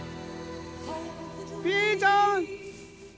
ピーちゃん！